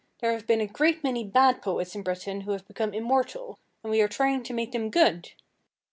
There have been a great many bad poets in Britain who have become immortal, and we are trying to make them good.